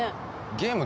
ゲーム